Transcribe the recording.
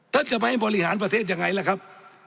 ท่านจะไม่ให้บริหารประเทศยังไงล่ะครับ